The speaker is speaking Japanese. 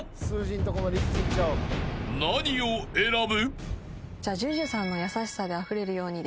［何を選ぶ？］